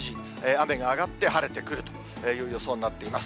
雨が上がって晴れてくるという予想になっています。